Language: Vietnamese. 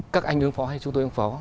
các anh ứng phó hay chúng tôi ứng phó